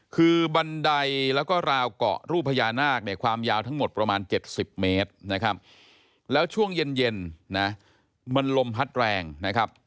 คือบันไดแล้วก็ราวเกาะรูปพญานาคเนี่ยความยาวทั้งหมดประมาณ๗๐เมตรนะครับแล้วช่วงเย็นนะมันลมพัดแรงนะครับ